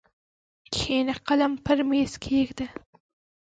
کښېنه قلم پر مېز کښېږده!